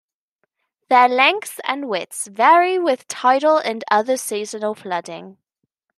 Their lengths and widths vary with tidal and other seasonal flooding.